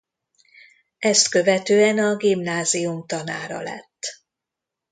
Ezt követően a gimnázium tanára lett.